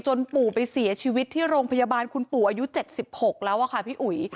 ปู่ไปเสียชีวิตที่โรงพยาบาลคุณปู่อายุ๗๖แล้วค่ะพี่อุ๋ย